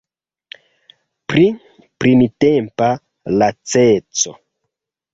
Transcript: Pri printempa laceco.